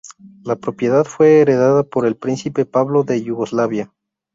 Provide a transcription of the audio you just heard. La propiedad fue heredada por el príncipe Pablo de Yugoslavia.